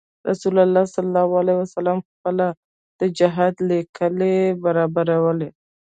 رسول الله صلی علیه وسلم خپله د جهاد ليکې برابرولې.